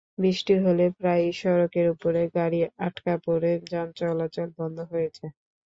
বৃষ্টি হলে প্রায়ই সড়কের ওপরে গাড়ি আটকা পড়ে যানচলাচল বন্ধ হয়ে যায়।